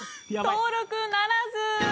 登録ならず！